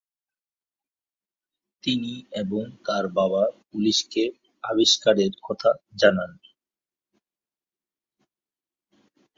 তিনি এবং তার বাবা পুলিশকে আবিষ্কারের কথা জানান।